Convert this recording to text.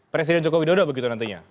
presiden joko widodo begitu nantinya